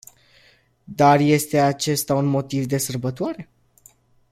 Dar este acesta un motiv de sărbătoare?